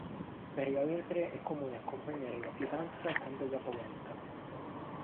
Per la lepre è comune accompagnare la pietanza con della polenta.